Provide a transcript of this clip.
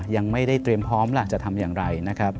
ยังไม่ได้เตรียมพร้อมล่ะจะทำอย่างไรนะครับ